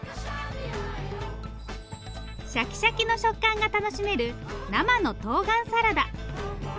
シャキシャキの食感が楽しめる生のとうがんサラダ。